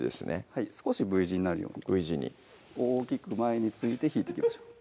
はい少しＶ字になるように大きく前に突いて引いていきましょう